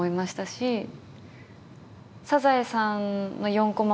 『サザエさん』の４こま